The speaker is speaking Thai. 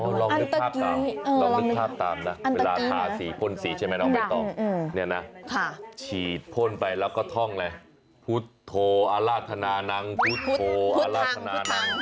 ครอบครัวดีรองลึกภาพตาม